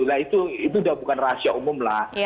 nah itu sudah bukan rahasia umumlah